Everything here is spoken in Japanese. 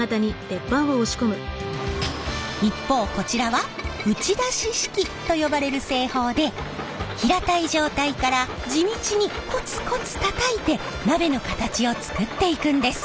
一方こちらは打ち出し式と呼ばれる製法で平たい状態から地道にこつこつたたいて鍋の形を作っていくんです。